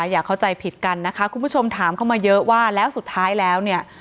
อย่าเข้าใจผิดกันนะคะคุณผู้ชมถามเข้ามาเยอะว่าแล้วสุดท้ายแล้วเนี่ย